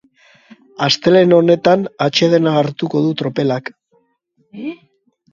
Astelehen honetan atsedena hartuko du tropelak.